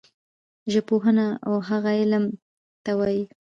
ژبپوهنه وهغه علم ته وايي